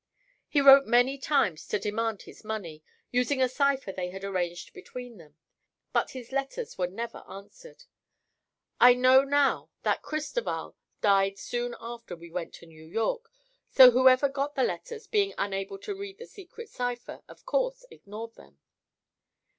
He wrote many times to demand this money, using a cipher they had arranged between them, but his letters were never answered. I know now that Cristoval died soon after we went to New York, so whoever got the letters, being unable to read the secret cipher, of course ignored them.